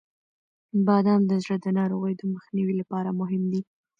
• بادام د زړه د ناروغیو د مخنیوي لپاره مهم دی.